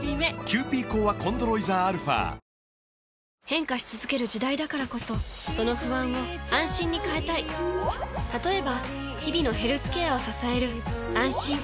変化し続ける時代だからこそその不安を「あんしん」に変えたい例えば日々のヘルスケアを支える「あんしん」